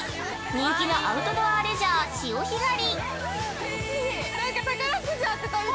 人気のアウトドアレジャー潮干狩り。